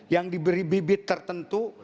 yang diberi bibit tertentu